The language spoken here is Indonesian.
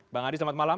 bang adi selamat malam